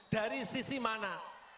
dari sisi mana